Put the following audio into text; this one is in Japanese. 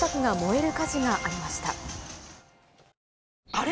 あれ？